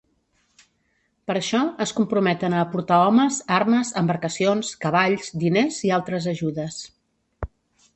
Per això es comprometen a aportar homes, armes, embarcacions, cavalls, diners i altres ajudes.